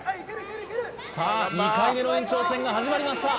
さあ２回目の延長戦が始まりました